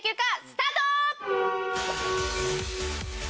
スタート！